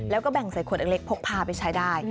แล้วก็แบ่งใส่ขวดเล็กพกพาไปใช้ได้